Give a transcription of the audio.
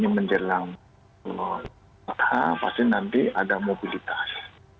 menjelang pasti nanti ada mobilitas